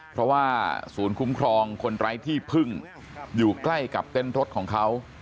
เพราะว่าศูนย์คุ้มครองคนไร้ที่พึ่งอยู่ใกล้กับเต้นรถของเขา